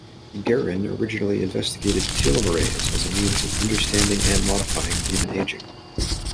Geron originally investigated telomerase as a means of understanding and modifying human aging.